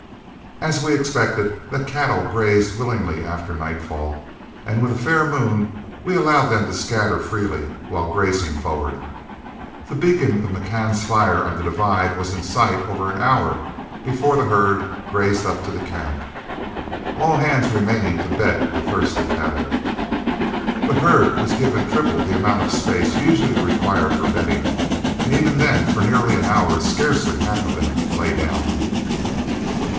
As we expected, the cattle grazed willingly after nightfall, and with a fair moon, we allowed them to scatter freely while grazing forward. The beacon of McCann's fire on the divide was in sight over an hour before the herd grazed up to camp, all hands remaining to bed the thirsty cattle. The herd was given triple the amount of space usually required for bedding, and even then for nearly an hour scarcely half of them lay down.